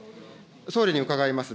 総理に伺います。